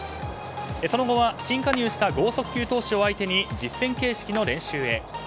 その後は新加入した剛速球投手を相手に実戦形式の練習へ。